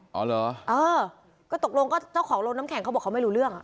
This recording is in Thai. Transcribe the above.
อ๋อเหรอเออก็ตกลงก็เจ้าของโรงน้ำแข็งเขาบอกเขาไม่รู้เรื่อง